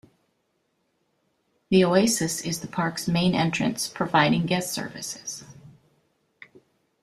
The Oasis is the park's main entrance, providing guest services.